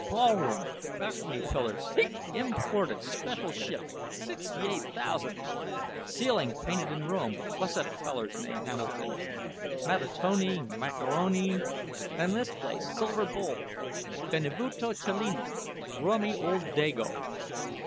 Ballroom—balc'ny pillars—hic—imported—special ship—sixty eight thousan'! Ceilin' painted in Rome—whuzzat feller's name, Hamilton—Mattatoni? Macaroni? Then this place—silver bowl—Benvenuto Cellini—rummy ole Dago!